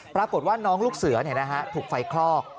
ปรากฏว่าน้องลูกเสือถูกไฟคลอก